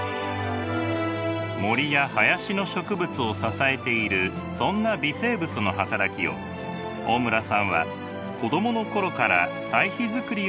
森や林の植物を支えているそんな微生物の働きを大村さんは子供の頃から堆肥作りを通して実感していたのです。